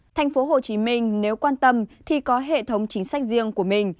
thành phố hồ chí minh nếu quan tâm thì có hệ thống chính sách riêng của mình